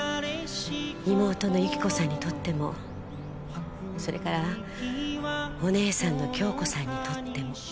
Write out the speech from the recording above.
妹の由起子さんにとってもそれからお姉さんの杏子さんにとっても。